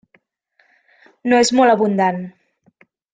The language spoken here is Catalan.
No és molt abundant.